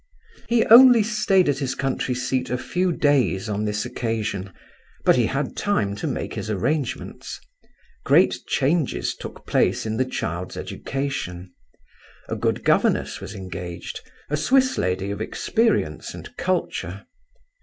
He only stayed at his country seat a few days on this occasion, but he had time to make his arrangements. Great changes took place in the child's education; a good governess was engaged, a Swiss lady of experience and culture.